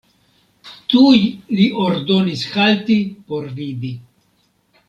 Tuj li ordonis halti por vidi.